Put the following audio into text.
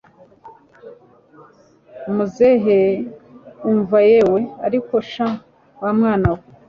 muzehe umva yewe! ariko sha wamwana we